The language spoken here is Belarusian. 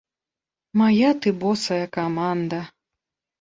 Мая ты босая каманда.